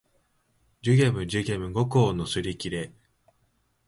寿限無寿限無五劫のすりきれ